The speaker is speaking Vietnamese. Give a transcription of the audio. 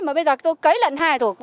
mà bây giờ tôi cấy lần hai rồi